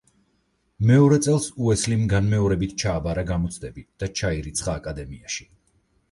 მეორე წელს უესლიმ განმეორებით ჩააბარა გამოცდები და ჩაირიცხა აკადემიაში.